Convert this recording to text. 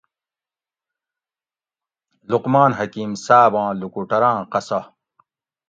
لقمان حکیم صاۤباں لُوکُوٹوراں قصہ